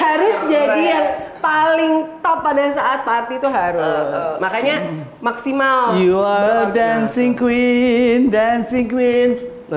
harus jadi paling top pada saat party tuh harus makanya maksimal you are dancing queen dancing queen